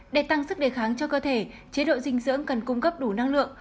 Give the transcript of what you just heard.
để tăng sức đề kháng cho cơ thể chế độ dinh dưỡng cần cung cấp đủ năng lượng